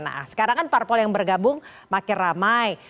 nah sekarang kan parpol yang bergabung makin ramai